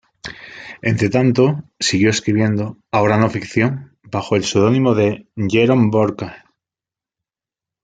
Entretanto, siguió escribiendo, ahora no-ficción, bajo el pseudónimo de 'Jerome Burke'.